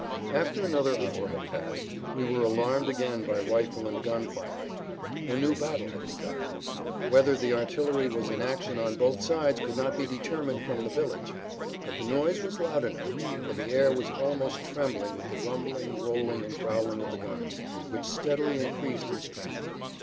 After another hour had passed we were alarmed again by rifle and gun firing; a new battle had begun. Whether the artillery was in action on both sides could not be determined from the village, but the noise was loud enough, for the air was almost trembling with the[Pg 12] rumbling, rolling, and growling of the guns which steadily increased in strength.